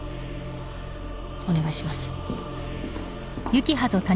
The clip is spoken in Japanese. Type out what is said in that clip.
お願いします。